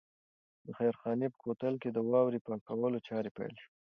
د خیرخانې په کوتل کې د واورې پاکولو چارې پیل شوې.